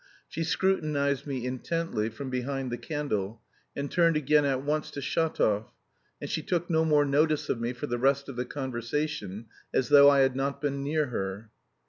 She scrutinised me intently from behind the candle, and turned again at once to Shatov (and she took no more notice of me for the rest of the conversation, as though I had not been near her).